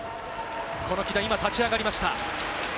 この木田、今立ち上がりました。